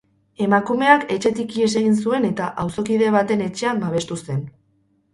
Emakumeak etxetik ihes egin zuen eta auzokide baten etxean babestu zen.